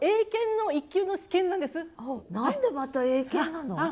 何でまた英検なの？